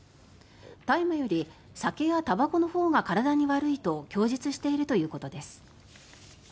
大麻より酒やたばこのほうが体に悪いと供述しているということです。